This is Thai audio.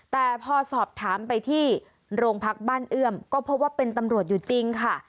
แต่พอสอบถามไปที่โรงพักบ้านเอื้อมก็พบว่าเป็นตำรวจอยู่จริงค่ะ